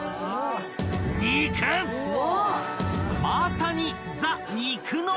［まさに］